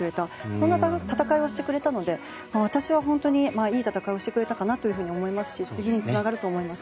そんな戦いをしてくれたので私は本当にいい戦いをしてくれたかなと思いますし次につながると思います。